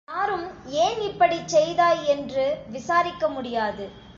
யாரும் ஏன் இப்படிச் செய்தாய் என்று விசாரிக்க முடியாது.